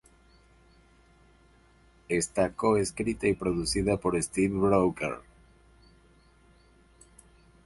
Está co-escrita y producida por Steve Brooker.